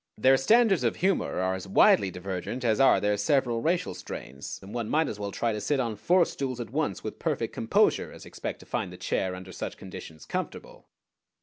Their standards of humor are as widely divergent as are their several racial strains, and one might as well try to sit on four stools at once with perfect composure as expect to find the "Chair" under such conditions comfortable.